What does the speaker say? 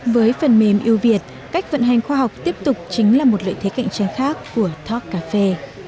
với phần mềm yêu việt cách vận hành khoa học tiếp tục chính là một lợi thế cạnh tranh khác của talkcafe